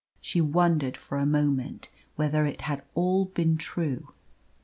She wondered for a moment whether it had all been true.